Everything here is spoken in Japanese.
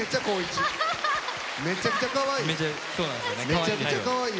めちゃくちゃかわいい。